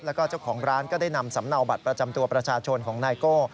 แล้วก็เจ้าของร้านก็ได้นำสำเนาบัตรประจำตัวประชาชนของนายโก้